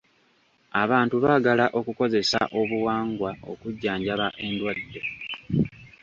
Abantu baagala okukozesa obuwangwa okujjanjaba endwadde.